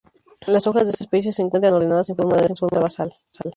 Las hojas de esta especie se encuentran ordenadas en forma de roseta basal.